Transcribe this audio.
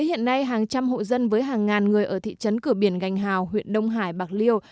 hiện nay hàng trăm hộ dân với hàng ngàn người ở thị trấn cửa biển gành hào huyện đông hải bạc liêu